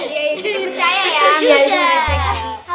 iya gitu percaya ya